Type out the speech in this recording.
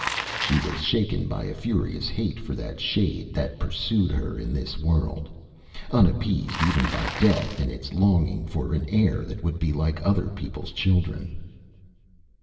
Â She was shaken by a furious hate for that shade that pursued her in this world, unappeased even by death in its longing for an heir that would be like other peopleÂs children.